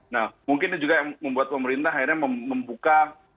nah mungkin ini juga yang membuat pemerintah akhirnya membuka